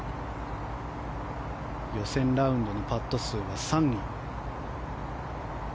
予選ラウンドのパット数は３位。